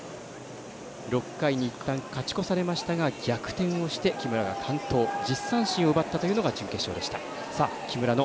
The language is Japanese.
６回にいったん勝ち越されましたが逆転して木村が１０三振を奪ったというのが準決勝でした。